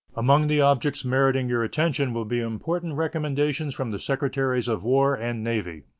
Among the objects meriting your attention will be important recommendations from the Secretaries of War and Navy.